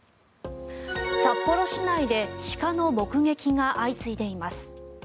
札幌市内で鹿の目撃が相次いでいます。